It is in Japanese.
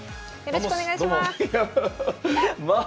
よろしくお願いします。